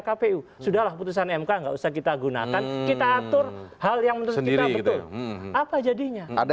kpu sudahlah putusan mk nggak usah kita gunakan kita atur hal yang menurut kita betul apa jadinya ada